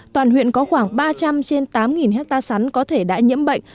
toàn huyện có khoảng ba trăm linh trên tám hectare sắn có thể đã nhiễm bệnh